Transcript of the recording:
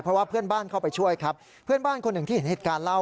เพราะว่าเพื่อนบ้านเข้าไปช่วยครับเพื่อนบ้านคนหนึ่งที่เห็นเหตุการณ์เล่า